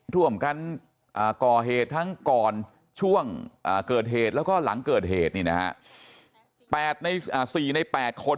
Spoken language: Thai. ร่วมกันก่อเหตุทั้งก่อนช่วงเกิดเหตุแล้วก็หลังเกิดเหตุนี่นะฮะ๔ใน๘คน